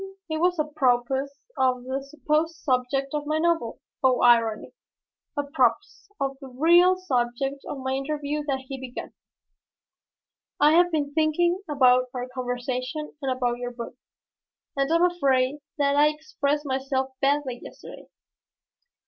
It was apropos of the supposed subject of my novel oh, irony! apropos of the real subject of my interview that he began. "I have been thinking about our conversation and about your book, and I am afraid that I expressed myself badly yesterday.